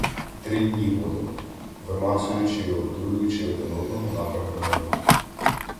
Три дні водимо, "вимацуючи" і обдурюючи один одного напрямками руху.